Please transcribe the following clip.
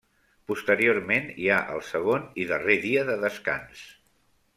Posteriorment hi ha el segon i darrer dia de descans.